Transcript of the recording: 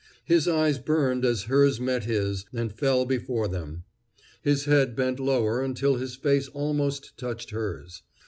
His eyes burned as hers met his and fell before them. His head bent lower until his face almost touched hers.